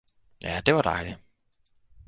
Ja, det var dejligt!